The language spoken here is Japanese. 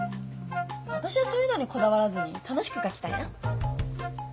私はそういうのにこだわらずに楽しく書きたいな。